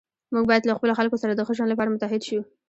موږ باید له خپلو خلکو سره د ښه ژوند لپاره متحد شو.